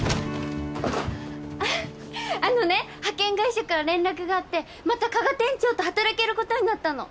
あのね派遣会社から連絡があってまた加賀店長と働けることになったの。